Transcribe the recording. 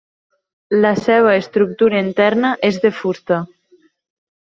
La seva estructura interna és de fusta.